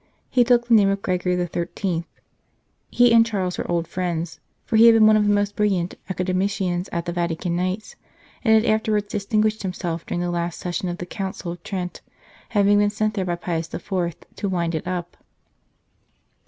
He took the name of Gregory XIII. He and Charles were old friends, for he had been one of the most brilliant Academicians at the Vatican Nights, and had afterwards distinguished himself during the last sessions of the Council of Trent, having been sent there by Pius IV. to wind it up.